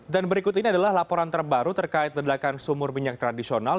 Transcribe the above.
dan berikut ini adalah laporan terbaru terkait ledakan sumur minyak tradisional